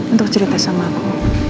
untuk cerita sama aku